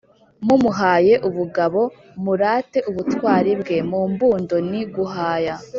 Mumuhaye (ubugabo): murate ubutwari bwe. Mu mbundo ni “guhaya.”